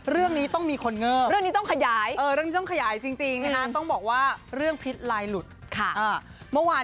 เรื่องนี้ต้องมีคนเงิบ